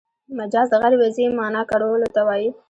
مجاز د غیر وضعي مانا کارولو ته وايي.